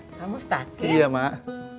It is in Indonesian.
kamu stakir iya mak